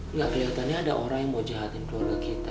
enggak kelihatannya ada orang yang mau jahatin keluarga kita